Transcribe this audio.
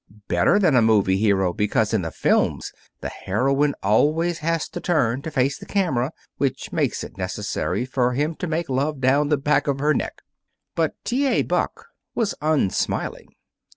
Better than a 'movie' hero, because, in the films, the heroine always has to turn to face the camera, which makes it necessary for him to make love down the back of her neck." But T. A. Buck was unsmiling.